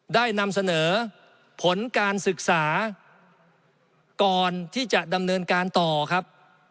ได้นำเสนอผลการศึกษาก่อนที่จะดำเนินการต่อครับ